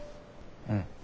うん。